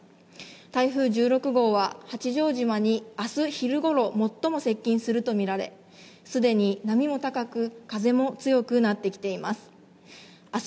台風１６号は、八丈島にあす昼ごろ、最も接近すると見られ、すでに波も高く、風も強くなってきています。